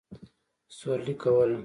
سورلي کوله.